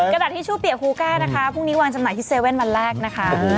กระดาษทิชชู่เปียกคูก้านะคะพรุ่งนี้วางจำหน่ายิเซเว่นวันแรกนะคะ